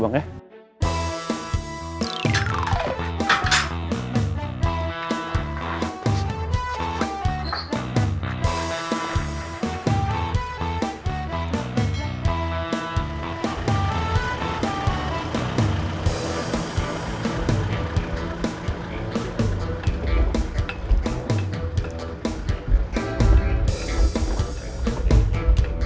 oke tolong buka gerbangnya